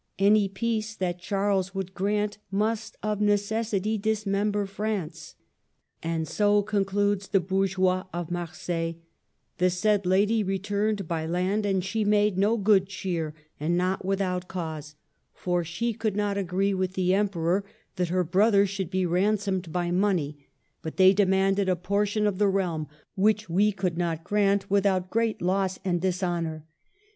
Any peace that Charles would grant must of necessity dis member France. " And so," concludes the Bourgeois of Marseilles, the said lady returned by land, and she made no good cheer, and not without cause ; for she could not agree with the no MARGARET OF ANGOUL^ME. Emperor that her brother should be ransomed by money, but they demanded a portion of the realm, which we could not grant without great loss and dishonor.